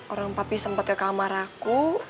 orang papi sempat ke kamar aku